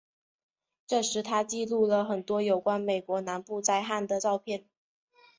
这时他记录了很多有关美国南部旱灾的照片。